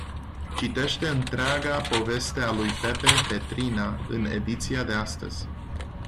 Citește întreaga poveste a lui Pepe Petrina în ediția de astăzi.